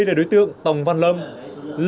qua bán tương đồng chức năng